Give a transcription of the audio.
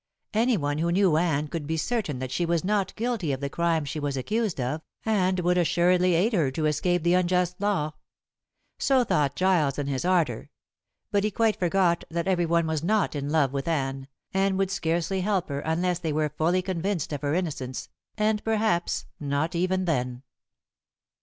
Any one who knew Anne could be certain that she was not guilty of the crime she was accused of, and would assuredly aid her to escape the unjust law. So thought Giles in his ardor; but he quite forgot that every one was not in love with Anne, and would scarcely help her unless they were fully convinced of her innocence, and perhaps not even then.